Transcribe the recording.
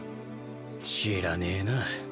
知らねえな。